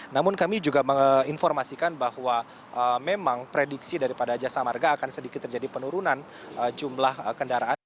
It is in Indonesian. namun kami juga menginformasikan bahwa memang prediksi daripada jasa marga akan sedikit terjadi penurunan jumlah kendaraan